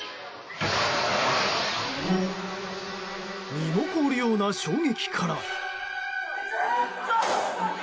身も凍るような衝撃から。